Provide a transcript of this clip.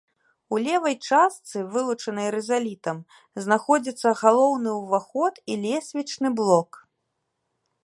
У левай частцы, вылучанай рызалітам, знаходзіцца галоўны ўваход і лесвічны блок.